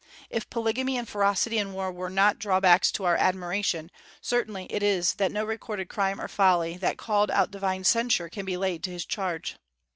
If polygamy and ferocity in war are not drawbacks to our admiration, certain it is that no recorded crime or folly that called out divine censure can be laid to his charge.